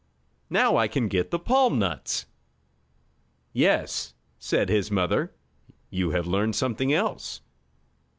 "Now I can get the palm nuts!" "Yes," said his mother. "You have learned something else."